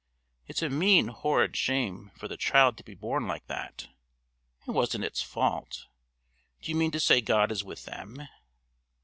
"It's a mean, horrid shame for the child to be born like that. It wasn't its fault. Do you mean to say God is with them?"